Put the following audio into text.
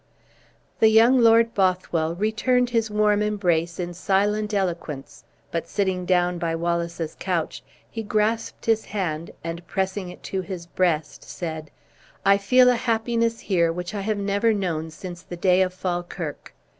The young Lord Bothwell returned his warm embrace in silent eloquence; but sitting down by Wallace's couch, he grasped his hand, and pressing it to his breast, said, "I feel a happiness here which I have never known since the day of Falkirk.